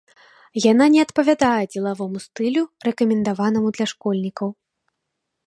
Яна не адпавядае дзелавому стылю, рэкамендаванаму для школьнікаў.